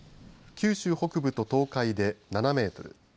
九州北部と東海で７メートル